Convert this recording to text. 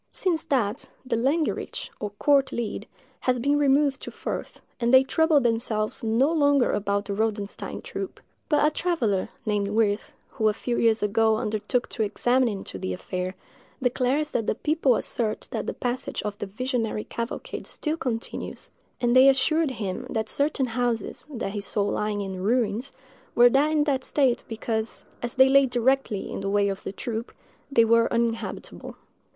Since that, the landgericht, or court leet, has been removed to Furth, and they trouble themselves no longer about the Rodenstein troop; but a traveller, named Wirth, who a few years ago undertook to examine into the affair, declares the people assert that the passage of the visionary cavalcade still continues; and they assured him that certain houses, that he saw lying in ruins, were in that state because, as they lay directly in the way of the troop, they were uninhabitable.